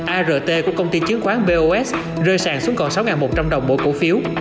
art của công ty chứng khoán bos rơi sàng xuống còn sáu một trăm linh đồng mỗi cổ phiếu